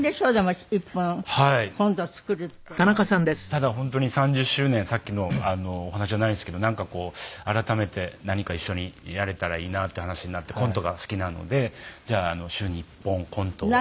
ただ本当に３０周年さっきのお話じゃないんですけどなんかこう改めて何か一緒にやれたらいいなって話になってコントが好きなのでじゃあ週に１本コントを。